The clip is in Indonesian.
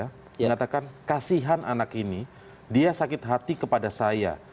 ketika mengatakan kemampuan kesehatan anak ini dia sakit hati kepada saya